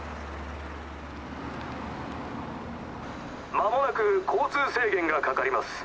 間もなく交通制限がかかります。